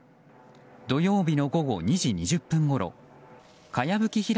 土曜日の午後２時２０分ごろかやぶき